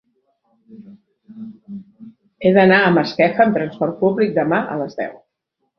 He d'anar a Masquefa amb trasport públic demà a les deu.